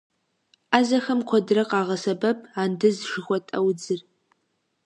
Ӏэзэхэм куэдрэ къагъэсэбэп андыз жыхуэтӏэ удзыр.